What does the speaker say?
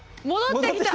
戻ってきた